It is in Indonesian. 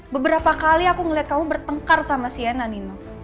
beberapa kali aku ngeliat kamu bertengkar sama siena nino